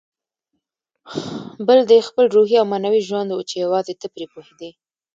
بل دې خپل روحي او معنوي ژوند و چې یوازې ته پرې پوهېدې.